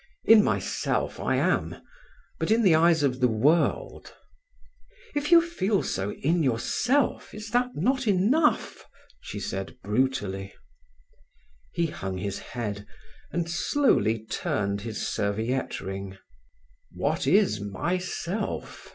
"In myself I am. But in the eyes of the world—" "If you feel so in yourself, is not that enough?" she said brutally. He hung his head, and slowly turned his serviette ring. "What is myself?"